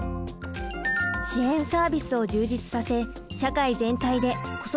支援サービスを充実させ社会全体で子育てを支えましょう。